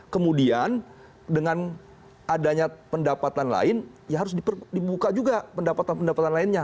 kemudian dengan adanya pendapatan lain ya harus dibuka juga pendapatan pendapatan lainnya